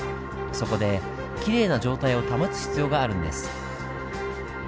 そこできれいな状態を保つ必要があるんです。